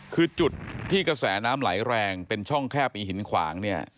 คือจุดที่กระแสน้ำไหลแรงเป็นช่องแค่ปีหินขวางเนี่ย